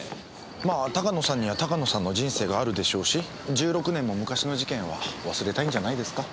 まあ鷹野さんには鷹野さんの人生があるでしょうし１６年も昔の事件は忘れたいんじゃないですか。